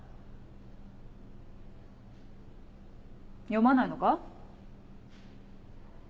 読まないのか？